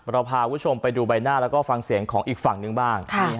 เราพาคุณผู้ชมไปดูใบหน้าแล้วก็ฟังเสียงของอีกฝั่งหนึ่งบ้าง